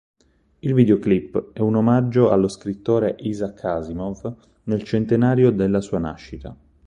Il videoclip è un omaggio allo scrittore Isaac Asimov nel centenario della sua nascita.